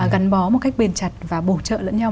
gắn bó một cách bền chặt và bổ trợ lẫn nhau